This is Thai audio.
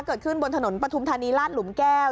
เกิดขึ้นบนถนนปฐุมธานีลาดหลุมแก้ว